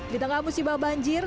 di tengah musibah banjir